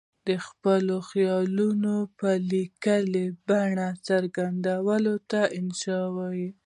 د خپلو خیالونو په لیکلې بڼه څرګندولو ته انشأ وايي.